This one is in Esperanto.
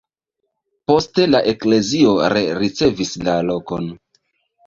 Poste la eklezio rericevis la lokon.